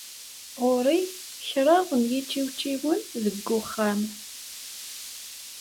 Ɣur-i kraḍ n yičiwčiwen deg uxxam.